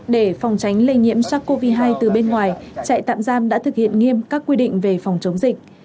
để phòng tránh lây nhiễm sars cov hai từ bên ngoài trại tạm giam đã thực hiện nghiêm các quy định về phòng chống dịch